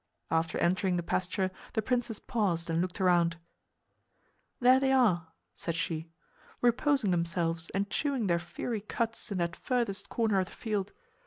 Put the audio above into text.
After entering the pasture the princess paused and looked around. "There they are," said she, "reposing themselves and chewing their fiery cuds in that furthest corner of the field.